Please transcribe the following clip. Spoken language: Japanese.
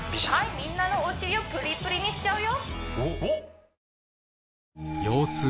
みんなのお尻をプリプリにしちゃうよ